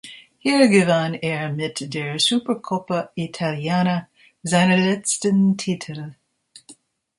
Hier gewann er mit der Supercoppa Italiana seine letzten Titel.